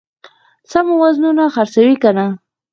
سمو وزنونو خرڅوي کنه.